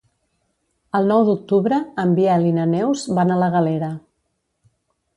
El nou d'octubre en Biel i na Neus van a la Galera.